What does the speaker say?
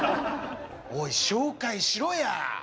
おい紹介しろや！